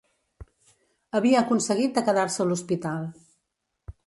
Havia aconseguit de quedar-se a l'hospital